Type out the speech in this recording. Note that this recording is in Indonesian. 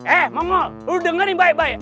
eh mama lu dengerin baik baik